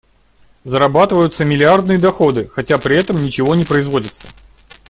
Зарабатываются миллиардные доходы, хотя при этом ничего не производится.